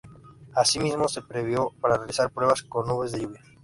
Así mismo se previó no realizar la prueba con nubes de lluvia.